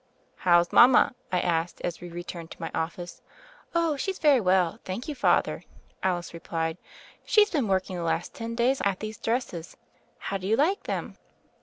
"How's mama?" I asked, as we returned to my office. "Oh, she's very well, thank you, Father," Alice made reply. "She's been working the last ten days at these dresses. How do you like them?"